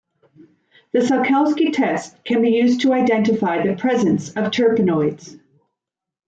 The Salkowski test can be used to identify the presence of terpenoids.